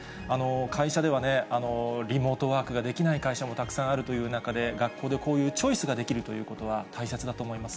会社では、リモートワークができない会社もたくさんあるという中で、学校でこういうチョイスができるということは、大切だと思います